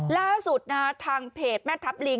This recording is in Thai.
ล่าสุดนะฮะทางเพจแม่ทัพลิง